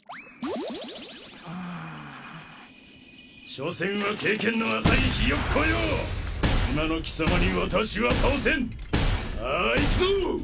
所詮は経験の浅いひよっこよ今の貴様に私は倒せんさあ行くぞ！